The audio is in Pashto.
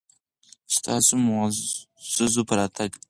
ستاسو معززو په راتګ